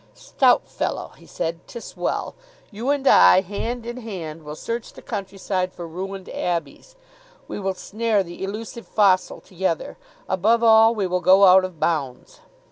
"Stout fellow," he said. "'Tis well. You and I, hand in hand, will search the countryside for ruined abbeys. We will snare the elusive fossil together. Above all, we will go out of bounds.